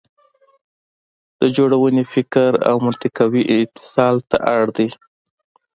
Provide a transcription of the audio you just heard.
د جوړونې فکر او منطقوي اتصال ته اړ دی.